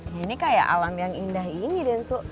ya ini seperti alam yang indah ini denso